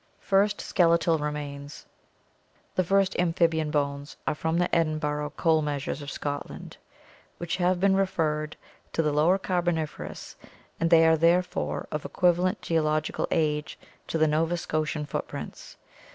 First Skeletal Remains.— The first amphibian bones are from the Edinburgh Coal Measures of Scotland which have been re ferred to the Lower Carboniferous, and they are therefore of equiva lent geological age to the Nova Scotian footprints.